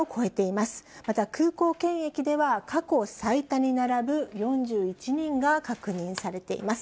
また、空港検疫では過去最多に並ぶ４１人が確認されています。